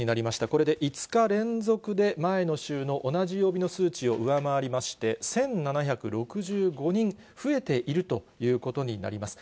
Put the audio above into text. これで５日連続で、前の週の同じ曜日の数値を上回りまして、１７６５人増えているということになります。